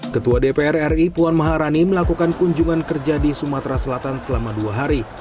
ketua dpr ri puan maharani melakukan kunjungan kerja di sumatera selatan selama dua hari